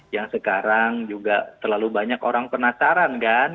yang sekarang juga terlalu banyak orang penasaran kan